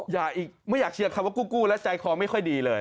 อีกไม่อยากเชียร์คำว่ากู้และใจคอไม่ค่อยดีเลย